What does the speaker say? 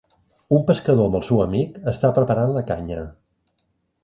Un pescador amb el seu amic està preparant la canya.